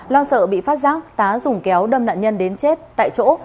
lo sợ bị phát giác tá dùng kéo đâm nạn nhân đến chết tại chỗ